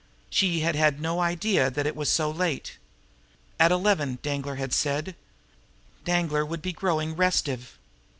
She had had no idea that it was so late. At eleven, Danglar had said. Danglar would be growing restive!